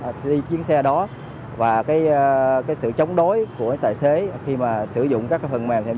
của cái hành khách đi chiến xe đó và cái sự chống đối của tài xế khi mà sử dụng các phần mềm tham